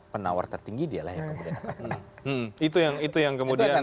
penawar tertinggi dia lah yang akan menang